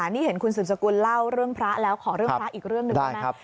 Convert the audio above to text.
นี่เห็นคุณสืบสกุลเล่าเรื่องพระแล้วขอเรื่องพระอีกเรื่องหนึ่งได้ไหม